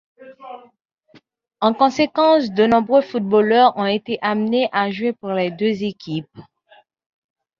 En conséquence de nombreux footballeurs ont été amenés à jouer pour les deux équipes.